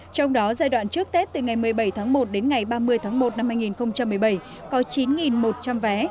trong đó giai đoạn trước tết từ ngày một mươi bảy tháng một đến ngày ba mươi tháng một năm hai nghìn một mươi bảy có chín một trăm linh vé